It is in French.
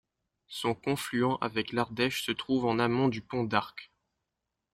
Son confluent avec l’Ardèche se trouve en amont du pont d'Arc.